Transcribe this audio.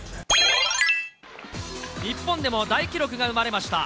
日本でも大記録が生まれました。